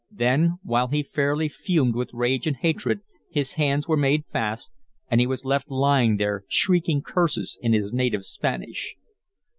Then, while he fairly fumed with rage and hatred, his hands were made fast and he was left lying there, shrieking curses in his native Spanish.